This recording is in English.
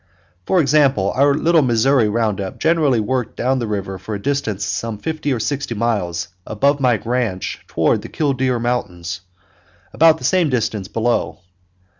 For example, our Little Missouri round up generally worked down the river from a distance of some fifty or sixty miles above my ranch toward the Kildeer Mountains, about the same distance below.